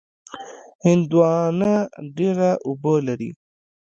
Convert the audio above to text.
هندوانه ډېره اوبه لري.